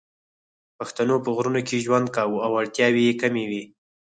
پښتنو په غرونو کې ژوند کاوه او اړتیاوې یې کمې وې